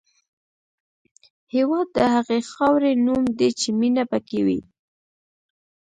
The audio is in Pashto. هېواد د هغې خاورې نوم دی چې مینه پکې وي.